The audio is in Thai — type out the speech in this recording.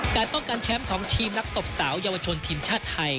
การป้องกันแชมป์ของทีมนักตบสาวเยาวชนทีมชาติไทย